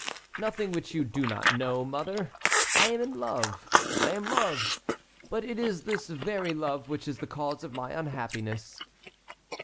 "Nothing which you do not know, mother. I am in love. I am loved; but it is this very love which is the cause of my unhappiness."